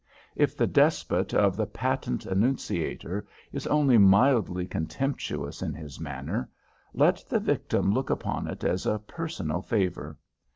If the despot of the Patent Annunciator is only mildly contemptuous in his manner, let the victim look upon it as a personal favor.